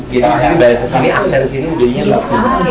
jadi bahasa sini aksen sini berinya roti